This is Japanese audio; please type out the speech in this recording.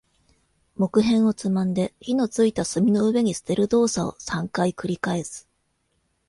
木片をつまんで、火の付いた炭の上に捨てる動作を三回繰り返す。